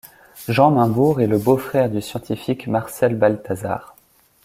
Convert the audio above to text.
Jean Mainbourg est le beau-frère du scientifique Marcel Baltazard.